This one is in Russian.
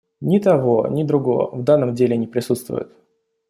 Ни того, ни другого в данном деле не присутствует.